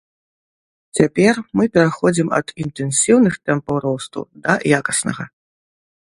Цяпер мы пераходзім ад інтэнсіўных тэмпаў росту да якаснага.